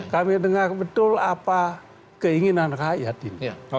kami dengar betul apa keinginan rakyat ini